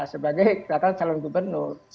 sebagai calon gubernur